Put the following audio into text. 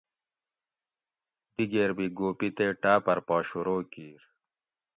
دِگیر بھی گوپی تے ٹاٞپر پا شروع کِیر